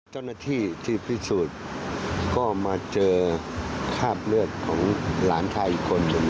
เจ้าหน้าที่ที่พิสูจน์ก็มาเจอคราบเลือดของหลานชายอีกคนหนึ่ง